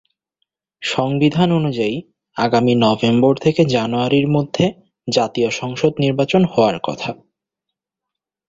সংবিধান অনুযায়ী আগামী নভেম্বর থেকে জানুয়ারির মধ্যে জাতীয় সংসদ নির্বাচন হওয়ার কথা।